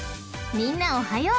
［みんなおはよう！